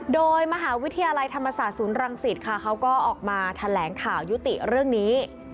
โดยมหาวิทยาลัยธรรมศาสตร์ศูนย์รังสิตค่ะเขาก็ออกมาแถลงข่าวยุติเรื่องนี้